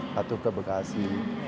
satu ke bekasi